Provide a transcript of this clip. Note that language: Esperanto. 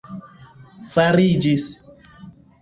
fariĝis